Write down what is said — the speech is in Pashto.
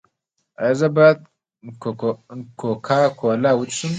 ایا زه باید کوکا کولا وڅښم؟